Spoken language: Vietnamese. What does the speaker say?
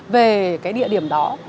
về cái địa điểm đó